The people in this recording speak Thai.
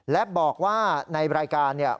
และบอกว่าในรายการเนี่ย